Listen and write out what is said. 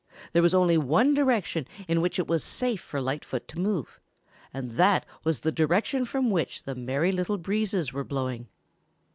There was only one direction in which it was safe for Lightfoot to move, and that was the direction from which the Merry Little Breezes were blowing.